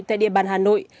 tại địa bàn hà nội